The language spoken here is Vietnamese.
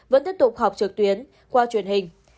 vẫn tiếp tục học trực tuyến qua truyền hình